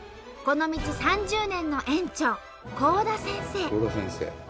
この道３０年の園長幸多先生。